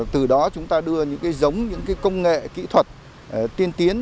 từ đó chúng ta đưa những cái giống những công nghệ kỹ thuật tiên tiến